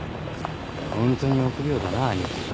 ホントに臆病だな兄貴は。